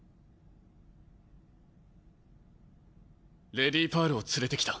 レディパールを連れてきた。